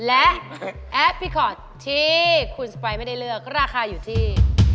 และแอปพลิคอร์ดที่คุณสไปไม่ได้เลือกราคาอยู่ที่